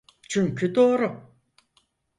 Çünkü doğru.